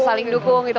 saling dukung gitu